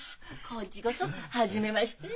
こっちこそ初めまして。